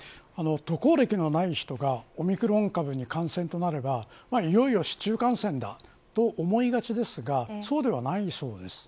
渡航歴のない人がオミクロン株に感染となればいよいよ市中感染だと思いがちですがそうではないそうです。